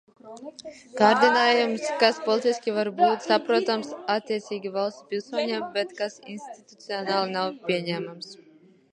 Kārdinājums, kas politiski var būt saprotams attiecīgo valstu pilsoņiem, bet kas institucionāli nav pieņemams.